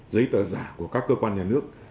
giấy tờ giả của các cơ quan nhà nước